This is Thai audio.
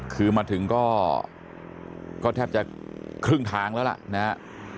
คือมาถึงก็แทบจะครึ่งทางแล้วล่ะนะครับ